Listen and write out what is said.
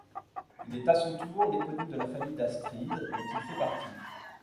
Il est à son tour l'éponyme de la famille d'Astrid dont il fait partie.